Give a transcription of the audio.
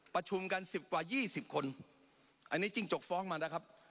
ประชุมกัน๑๐กว่า๒๐คนอันนี้จิ้งจกฟ้องมานะครับ